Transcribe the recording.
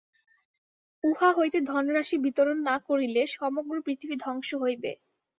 উহা হইতে ধনরাশি বিতরণ না করিলে সমগ্র পৃথিবী ধ্বংস হইবে।